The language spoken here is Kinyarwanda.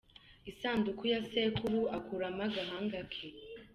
isanduku ya sekuru akuramo agahanga ke